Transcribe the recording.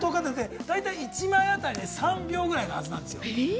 １枚あたり３秒ぐらいなはずなんですよ。